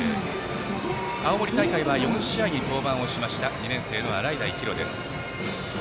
青森大会は４試合に登板しました２年生の洗平比呂。